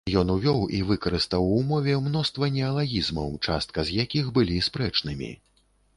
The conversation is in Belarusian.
Ён увёў і выкарыстаў у мове мноства неалагізмаў, частка з якіх былі спрэчнымі.